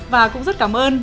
và cũng rất cảm ơn